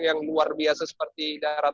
yang luar biasa seperti